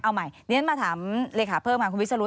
เอาใหม่ดิฉันมาถามเลขาเพิ่มค่ะคุณวิศนุ